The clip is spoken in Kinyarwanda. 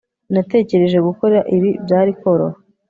natekereje gukora ibi byari koroha